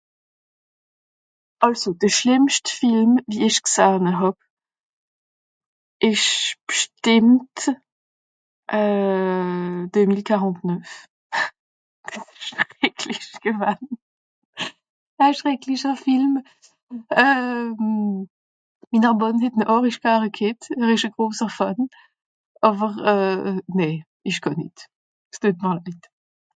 àlso de schlìmmst wie Film ìsch g'sahne hàb esch b'stìmmt euh 2049 schreklich gewann a schreklicher Film euh minner mànn het'n hòrisch gare g'hett ar esch à gròsser Fan àwer euh nee ìsch kàn nìt s'teut mr leid